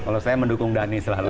kalau saya mendukung dhani selalu